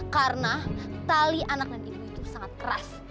karena tali anak dan ibu itu sangat keras